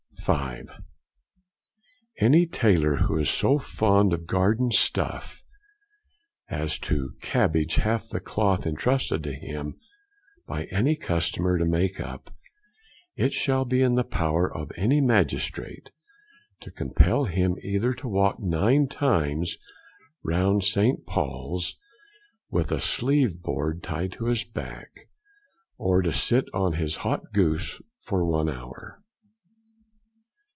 5. Any Tailor who is so fond of garden stuff, as to cabbage half the cloth entrusted to him by any customer to make up, it shall be in the power of any magistrate to compel him either to walk nine times round St. Paul's with a sleeve board tied to his back, or to sit on his hot goose for one hour.